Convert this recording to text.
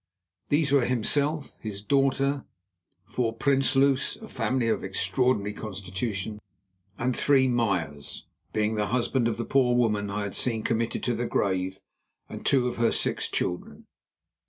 These were himself, his daughter, four Prinsloos—a family of extraordinary constitution—and three Meyers, being the husband of the poor woman I had seen committed to the grave and two of her six children.